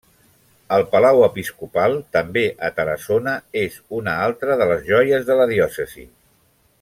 El Palau episcopal, també a Tarassona, és una altra de les joies de la diòcesi.